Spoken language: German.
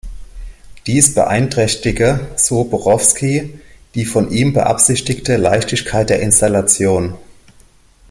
Dies beeinträchtige, so Borofsky, die von ihm beabsichtigte Leichtigkeit der Installation.